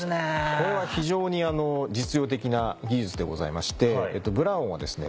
これは非常に実用的な技術でございまして「ＢｌｕｒＯｎ」はですね